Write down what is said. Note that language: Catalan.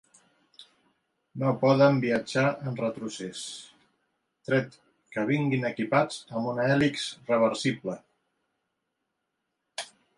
No poden viatjar en retrocés, tret que vinguin equipats amb una hèlix reversible.